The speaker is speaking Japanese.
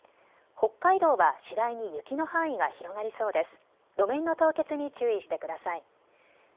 北海道は次第に雪の範囲が広がりそうです。